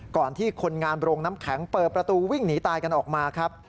ที่คนงานโรงน้ำแข็งเปิดประตูวิ่งหนีตายกันออกมาครับ